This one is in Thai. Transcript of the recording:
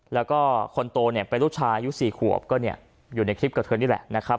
แล้วก็คนโตเนี่ยเป็นลูกชายอายุ๔ขวบก็เนี่ยอยู่ในคลิปกับเธอนี่แหละนะครับ